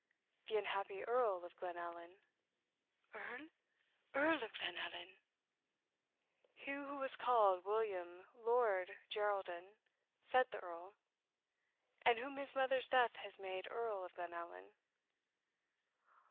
"The unhappy Earl of Glenallan." "Earl! Earl of Glenallan!" "He who was called William Lord Geraldin," said the Earl; "and whom his mother's death has made Earl of Glenallan."